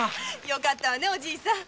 よかったわねぇおじぃさん